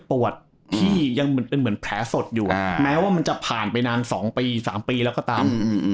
เพราะว่าที่ยังเป็นเหมือนแผลสดอยู่แม้ว่ามันจะผ่านไปนาน๒๓ปีแล้วก็ตาม